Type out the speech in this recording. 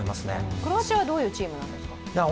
クロアチアはどういうチームなんですか？